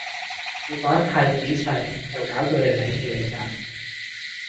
我講得太仔細就搞到你領嘢咋